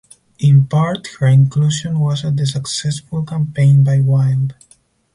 In part her inclusion was at the successful campaign by Wild.